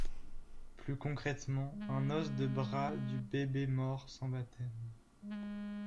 Plus concrètement un os de bras du bébé mort sans baptême.